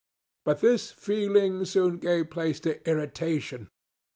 But this feeling soon gave place to irritation.